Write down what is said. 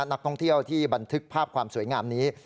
นักท่องเที่ยวที่บันทึกภาพความสวยงามนี้